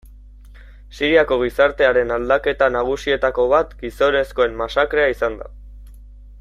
Siriako gizartearen aldaketa nagusietako bat gizonezkoen masakrea izan da.